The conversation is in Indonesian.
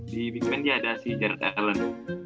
di big ben dia ada si jared allen